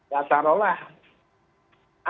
ya taruh lah